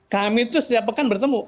kami itu setiap pekan bertemu